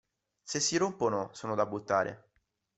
Se si rompono sono da buttare.